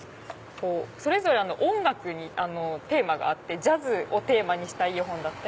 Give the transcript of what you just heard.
それぞれ音楽にテーマがあってジャズをテーマにしたイヤホンだったり。